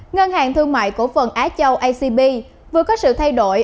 ngân hàng thương mại cổ phần á châu acb vừa có sự thay đổi